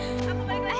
aku balik lagi